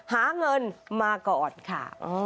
หาเงินมาก่อนค่ะ